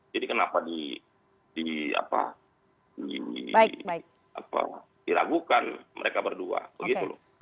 jadi kenapa diragukan mereka berdua begitu loh